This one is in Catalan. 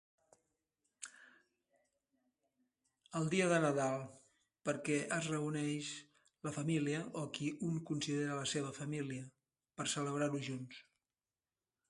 El dia de Nadal, perquè es reuneix la família, o qui un considera la seva família per celebrar-ho junts.